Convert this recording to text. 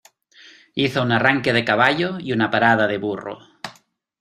Hizo un arranque de caballo y una parada de burro.